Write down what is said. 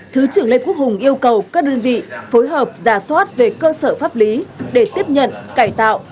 thứ trưởng lê quốc hùng yêu cầu các đơn vị phối hợp giả soát về cơ sở pháp lý để tiếp nhận cải tạo